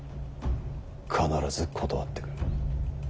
必ず断ってくる。